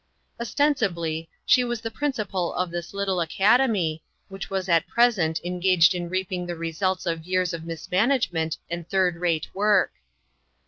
Ostensibly she was the principal of this little academy, which was at present en 79 8O INTERRUPTED. gaged in reaping the results of years of mismanagement and third rate work.